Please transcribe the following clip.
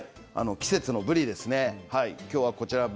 季節のぶりですね。